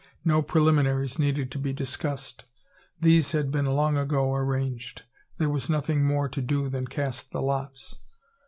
No preliminaries needed to be discussed. These had been long ago arranged. There was nothing more to do than cast the lots.